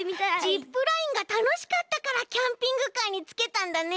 ジップラインがたのしかったからキャンピングカーにつけたんだね。